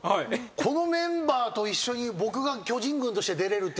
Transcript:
このメンバーと一緒に僕が巨人軍として出れるっていうのは。